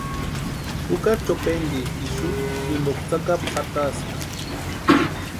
Jukari chopentisti ixu jimpoka tsakapu jataska.